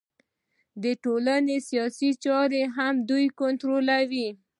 د ټولنې سیاسي چارې هم دوی کنټرولوي